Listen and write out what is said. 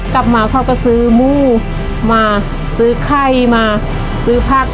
กลับมาเขาก็ซื้อมูมาซื้อไข้มาซื้อผัก